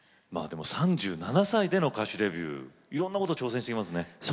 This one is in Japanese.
３７歳での歌手デビューいろんなこと挑戦していきますね。